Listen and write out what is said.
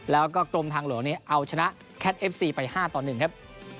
แล้วก็กรมทางหลวงนี้เอาชนะแคทเอฟซีไป๕ต่อ๑ครับ